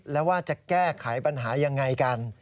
แล้วว่าจะแก้ไขปัญหายังไงกัน